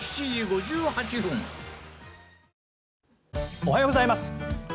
おはようございます。